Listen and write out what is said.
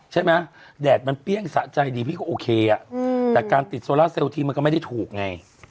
แดดมันเปรี้ยงสะใจดีพี่ก็โอเคแต่การติดโซล่าเซลลทีมันก็ไม่ได้ถูกไง